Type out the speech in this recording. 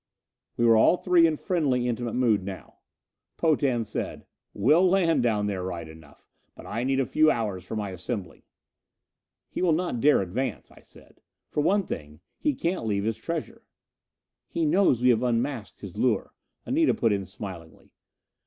We were all three in friendly, intimate mood now. Potan said, "We'll land down there right enough! But I need a few hours for my assembling." "He will not dare advance," I said. "For one thing, he can't leave the treasure." "He knows we have unmasked his lure," Anita put in smilingly.